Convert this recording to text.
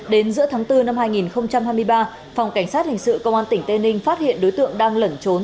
đến giữa tháng bốn năm hai nghìn hai mươi ba phòng cảnh sát hình sự công an tỉnh tây ninh phát hiện đối tượng đang lẩn trốn